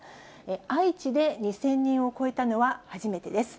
愛知で２０００人を超えたのは初めてです。